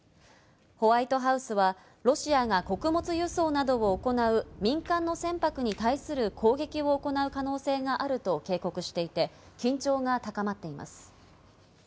ホワイトハウスはロシアが穀物輸送などを行う民間の船舶に対する攻撃を行う可能性があると警告していて、緊張が高まっています。